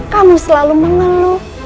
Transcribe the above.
kamu selalu mengeluh